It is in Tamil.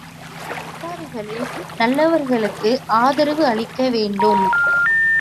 அன்ஸாரிகளில் நல்லவர்களுக்கு ஆதரவு அளிக்க வேண்டும்.